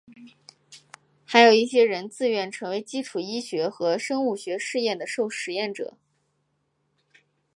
还有一些人自愿成为基础医学和生物学实验的受实验者。